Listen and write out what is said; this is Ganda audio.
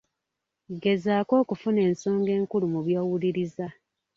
Gezaako okufuna ensonga enkulu mu by'owuliriza.